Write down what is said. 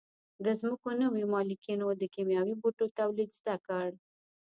د ځمکو نویو مالکینو د کیمیاوي بوټو تولید زده کړ.